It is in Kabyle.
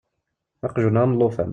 Aqjun-a am llufan.